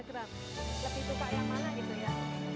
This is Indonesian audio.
lebih suka yang mana gitu ya